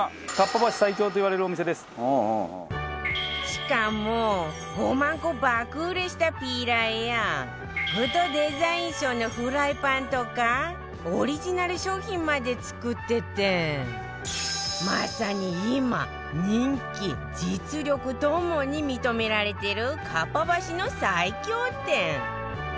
しかも５万個爆売れしたピーラーやグッドデザイン賞のフライパンとかオリジナル商品まで作っててまさに今人気実力ともに認められてるかっぱ橋の最強店